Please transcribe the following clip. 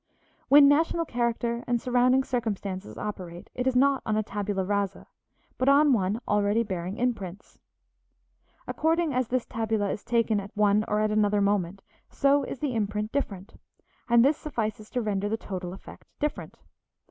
When national character and surrounding circumstances operate it is not on a tabula rasa, but on one already bearing imprints. According as this tabula is taken at one or at another moment so is the imprint different, and this suffices to render the total effect different.